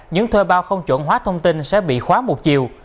những thuê bao không chuẩn hóa thông tin sẽ bị khóa một chiều